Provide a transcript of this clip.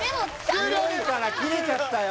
強いから切れちゃったよ